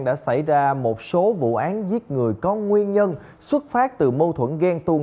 đã xảy ra một số vụ án giết người có nguyên nhân xuất phát từ mâu thuẫn ghen tu